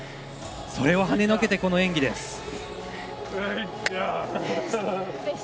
それを跳ねのけてのこの演技です。